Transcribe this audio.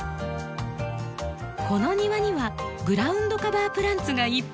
この庭にはグラウンドカバープランツがいっぱい。